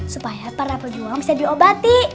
supaya para pejuang bisa diobati